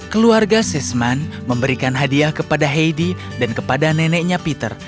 keluarga sesman memberikan hadiah kepada heidi dan kepada neneknya peter